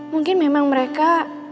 mungkin memang mereka